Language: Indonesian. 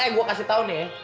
eh gue kasih tau nih